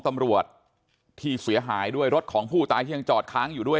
ตำรวจที่เสียหายด้วยรถของผู้ตายที่ยังจอดค้างอยู่ด้วย